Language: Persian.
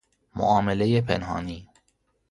معاملهٔ پنهانی